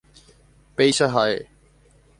Péicha ha'e.